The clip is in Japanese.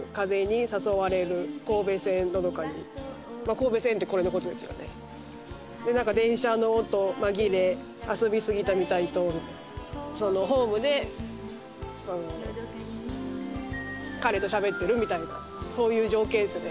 「神戸線」ってこれのことですよねで何か「電車の音まぎれ『遊びすぎたみたい』と」そのホームで彼と喋ってるみたいなそういう情景ですよね